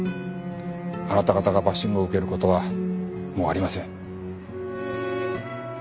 あなた方がバッシングを受ける事はもうありません。